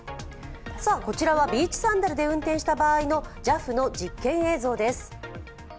こちらはビーチサンダルで運転した場合のＪＡＦの実験映像です。